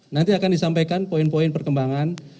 nanti akan disampaikan poin poin perkembangan